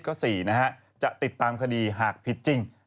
๔นะฮะจะติดตามคดีหากผิดจริง